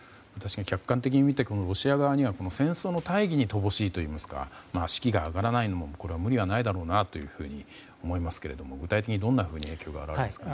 客観的に見てロシア側は戦争の大義に乏しいといいますか士気が上がらないのも無理はないだろうなと思いますが具体的にどんな影響がありますか。